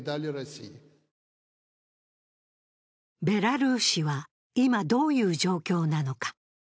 ベラルーシは今どういう状況なのか。